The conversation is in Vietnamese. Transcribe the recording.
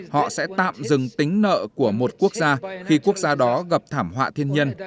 họ sẽ tạm dừng tính nợ của một quốc gia khi quốc gia đó gặp thảm họa thiên nhiên